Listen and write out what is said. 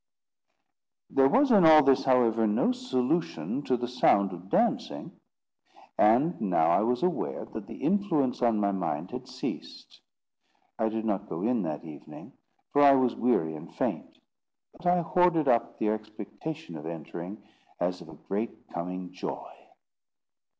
There was in all this, however, no solution to the sound of dancing; and now I was aware that the influence on my mind had ceased. I did not go in that evening, for I was weary and faint, but I hoarded up the expectation of entering, as of a great coming joy.